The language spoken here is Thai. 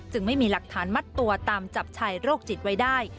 ไม่มีหลักฐานมัดตัวตามจับชายโรคจิตไว้ได้